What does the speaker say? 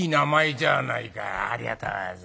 「ありがとうございます」。